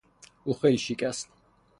او خیلی شیک است.